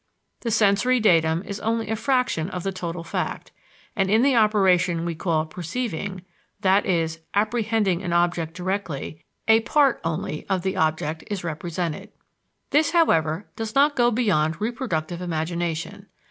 The sensory datum is only a fraction of the total fact; and in the operation we call "perceiving," that is, apprehending an object directly, a part only of the object is represented. This, however, does not go beyond reproductive imagination.